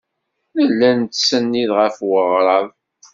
Nella nettsennid ɣer weɣrab.